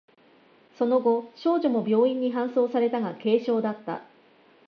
その後、少女も病院に搬送されたが、軽傷だった。